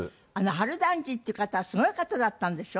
春団治っていう方はすごい方だったんでしょ？